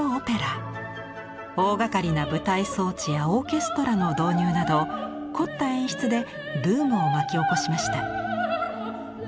大がかりな舞台装置やオーケストラの導入など凝った演出でブームを巻き起こしました。